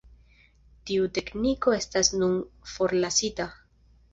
Tiu tekniko estas nun forlasita.